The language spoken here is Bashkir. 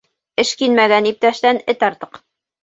Эшкинмәгән иптәштән эт артыҡ.